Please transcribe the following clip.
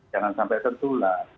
jangan sampai tertular